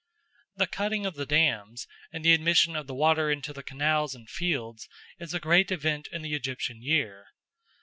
The cutting of the dams and the admission of the water into the canals and fields is a great event in the Egyptian year.